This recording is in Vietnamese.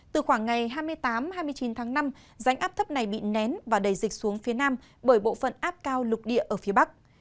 từ khoảng ngày hai mươi tám hai mươi chín tháng năm rãnh áp thấp này bị nén và đầy dịch xuống phía nam bởi bộ phận áp cao lục địa ở phía bắc